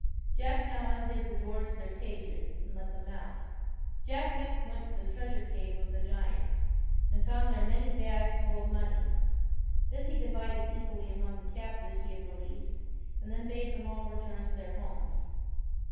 Jack now undid the doors of their cages and let them out Jack next went into the treasure cave of the giants and found there many bags full of money. This he divided equally among the cap tives he had released, and then bade them all return to their homes.